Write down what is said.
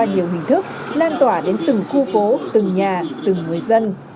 những điều hình thức lan tỏa đến từng khu phố từng nhà từng người dân